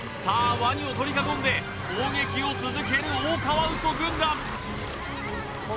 ワニを取り囲んで攻撃を続けるオオカワウソ軍団